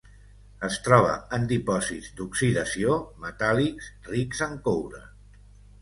Es troba en dipòsits d'oxidació metàl·lics rics en coure.